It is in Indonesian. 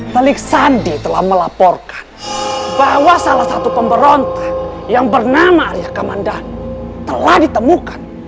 pelik sandi telah melaporkan bahwa salah satu pemberontak yang bernama arya kamanda telah ditemukan